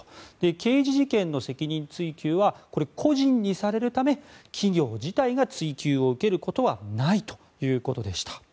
刑事事件の責任追及は個人にされるため企業自体が追及を受けることはないということでした。